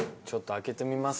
開けてみます。